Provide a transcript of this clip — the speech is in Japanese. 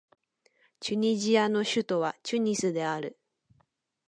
チュニジアの首都はチュニスである